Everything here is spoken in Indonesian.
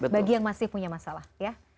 bagi yang masih punya masalah ya